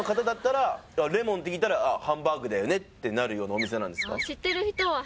なんですよおほほうまレモンって聞いたらハンバーグだよねってなるようなお店なんですか？